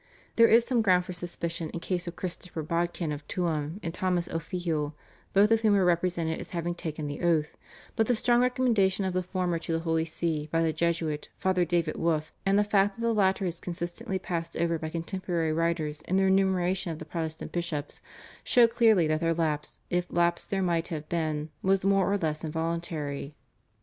There is some ground for suspicion in case of Christopher Bodkin of Tuam and Thomas O'Fihil, both of whom were represented as having taken the oath, but the strong recommendation of the former to the Holy See by the Jesuit, Father David Wolf, and the fact that the latter is consistently passed over by contemporary writers in their enumeration of the Protestant bishops, show clearly that their lapse, if lapse there might have been, was more or less involuntary.